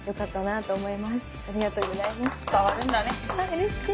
うれしい。